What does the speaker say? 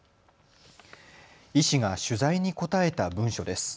医師が取材に答えた文書です。